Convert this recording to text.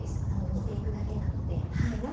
煮ていくだけなので。